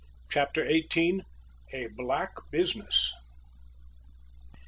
CHAPTER EIGHTEEN. A BLACK BUSINESS.